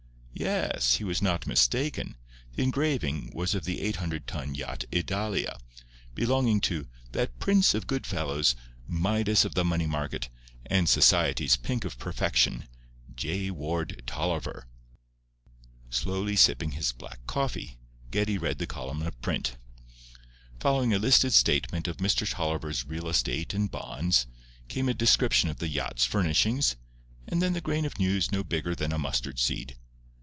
Yes; he was not mistaken. The engraving was of the eight hundred ton yacht Idalia, belonging to "that prince of good fellows, Midas of the money market, and society's pink of perfection, J. Ward Tolliver." Slowly sipping his black coffee, Geddie read the column of print. Following a listed statement of Mr. Tolliver's real estate and bonds, came a description of the yacht's furnishings, and then the grain of news no bigger than a mustard seed.